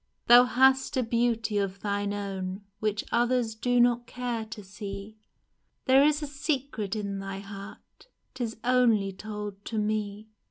Thou hast a beauty of thine own Which others do not care to see — There is a secret in thy heart, 'Tis only told to me